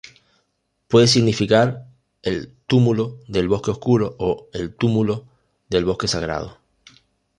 Puede significar 'el túmulo del bosque oscuro' o 'el túmulo del bosque sagrado'.